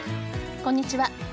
こんにちは。